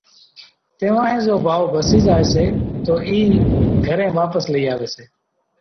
تيوانۿين زو ڀائو ڀسِي زائي سي تو اِي گھرين واپس لئي آوي سي